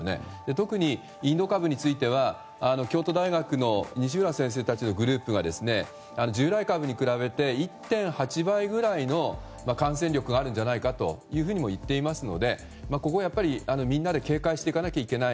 特に、インド株については京都大学の西浦先生たちのグループが従来株に比べて１．８倍ぐらいの感染力があるんじゃないかというふうにも言っていますのでここ、みんなで警戒していかなければいけない